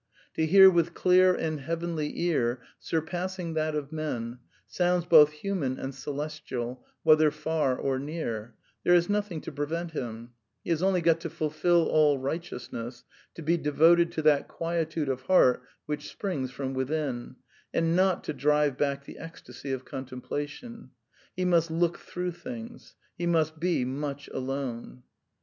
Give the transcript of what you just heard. to hear with clear and heavenly ear, surpassing that of men, sounds both human and celestial, whether far or near," there is ^^^>^iftOthing to prevent him; he has only got to fulfil all \ighteousness," to be ^* devoted to that quietude of heart which springs from within," and not to " drive back the ecstasy of contemplation." He must "loot through things "; he must be " much alone."